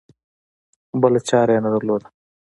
بله چاره یې نه درلوده.